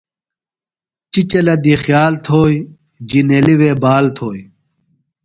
چِچلہ دی خیال تھوئیۡ، جِنیلیۡ وے بال تھوئی